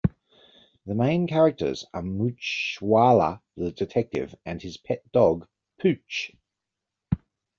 The main characters are Moochhwala the detective and his pet dog Pooch.